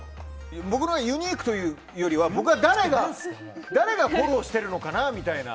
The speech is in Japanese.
僕のユニークというよりは誰がフォローしているのかなみたいな。